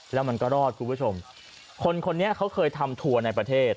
แล้วมันก็รอดคุณผู้ชมคนคนนี้เขาเคยทำทัวร์ในประเทศ